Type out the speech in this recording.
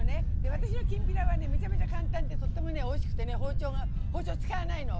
私のきんぴらはねめちゃめちゃ簡単でとってもねおいしくてね包丁使わないの。